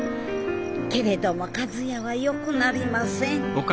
けれども和也はよくなりません